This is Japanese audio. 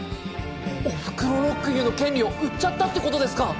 『おふくろロックユー』の権利を売っちゃったって事ですか？